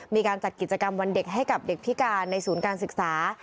มีการจัดกิจกรรมวันเด็กให้กับเด็กพิการในศูนย์การศึกษา